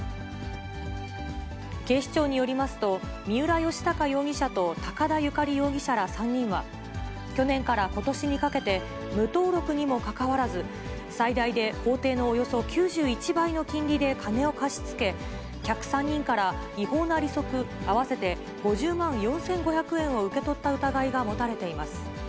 警視庁によりますと、三浦義隆容疑者と高田ゆかり容疑者ら３人は、去年からことしにかけて、無登録にもかかわらず、最大で法定のおよそ９１倍の金利で金を貸し付け、客３人から違法な利息合わせて５０万４５００円を受け取った疑いが持たれています。